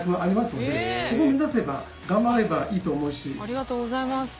ありがとうございます。